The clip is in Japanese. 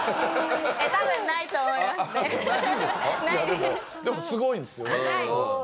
でもすごいんですよね。